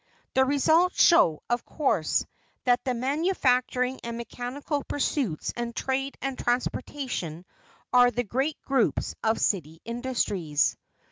The results show, of course, that the manufacturing and mechanical pursuits and trade and transportation are the great groups of city industries.